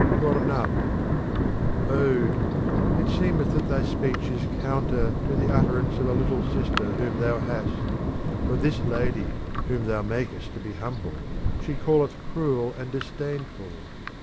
Tornata Ode ! it seemeth that thy speech is counter to the utterance of a little sister whom thou hast ; for this lady whom thou makest to be humble, she calleth cruel and disdainful.